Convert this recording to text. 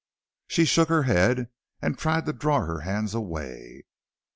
She shook her head, and tried to draw her hands away.